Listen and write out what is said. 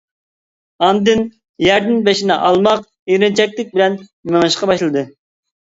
ئاندىن يەردىن بېشىنى ئالماق ئېرىنچەكلىك بىلەن مېڭىشقا باشلىدى.